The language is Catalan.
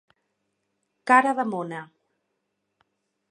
Cara de mona.